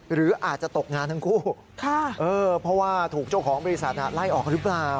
หรืออาจจะตกงานทั้งคู่เพราะว่าถูกเจ้าของบริษัทไล่ออกหรือเปล่า